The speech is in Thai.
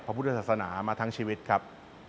ผมทำงานให้พระพุทธศาสนามาทั้งชีวิตครับ